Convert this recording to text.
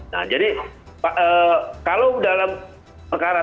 nah jadi kalau dalam perkara terorisme dan korupsi itu banyak